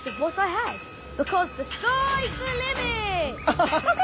アハハッ！